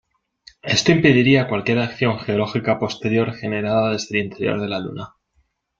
Esto impediría cualquier acción geológica posterior generada desde el interior de la Luna.